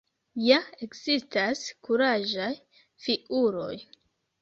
Ja ekzistas kuraĝaj fiuloj!